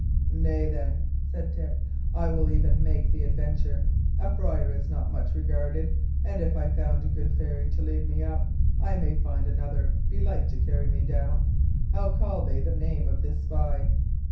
"Nay, then," said Dick, "I will even make the adventure. A friar is not much regarded; and if I found a good fairy to lead me up, I may find another belike to carry me down. How call they the name of this spy?"